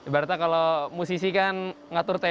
berarti kalau musisi kan ngatur tea